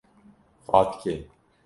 Fatikê